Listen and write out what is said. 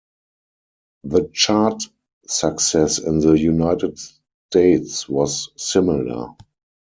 The chart success in the United States was similar.